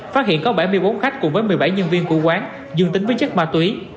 phát hiện có bảy mươi bốn khách cùng với một mươi bảy nhân viên của quán dương tính với chất ma túy